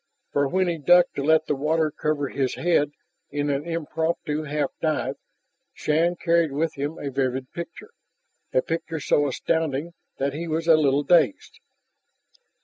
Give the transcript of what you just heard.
For when he ducked to let the water cover his head in an impromptu half dive, Shann carried with him a vivid picture, a picture so astounding that he was a little dazed.